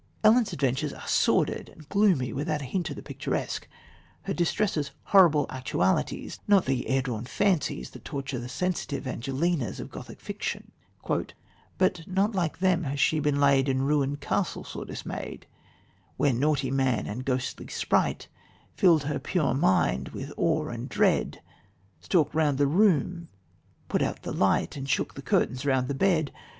Ellen's adventures are sordid and gloomy, without a hint of the picturesque, her distresses horrible actualities, not the "air drawn" fancies that torture the sensitive Angelinas of Gothic fiction: "But not like them has she been laid In ruined castle sore dismayed, Where naughty man and ghostly sprite Fill'd her pure mind with awe and dread, Stalked round the room, put out the light And shook the curtains round the bed.